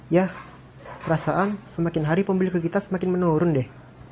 ya perasaan semakin hari pembeli ke kita semakin menurun deh